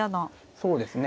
そうですね。